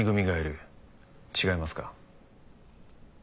違いますか？